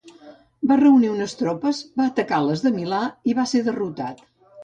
Va reunir unes tropes, va atacar les de Milà i va ser derrotat.